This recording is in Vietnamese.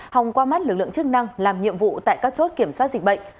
hòng qua mắt lực lượng chức năng làm nhiệm vụ tại các chốt kiểm soát dịch bệnh